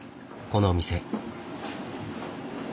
このお店。